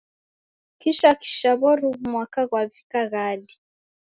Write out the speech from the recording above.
Kisha kisha w'oruw'u mwaka ghwavika ghadi!